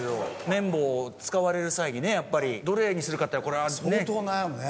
綿棒を使われる際にねやっぱりどれにするかっていうのはこれはね。